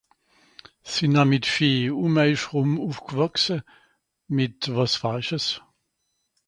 ....um eich rum ùffg'wàchse mìt wàs falsches